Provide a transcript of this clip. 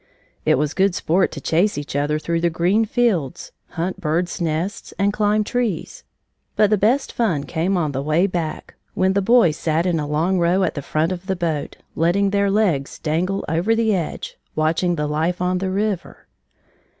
It was good sport to chase each other through the green fields, hunt birds' nests, and climb trees, but the best fun came on the way back, when the boys sat in a long row at the front of the boat, letting their legs dangle over the edge, watching the life on the river.